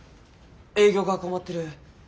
営業が困ってる。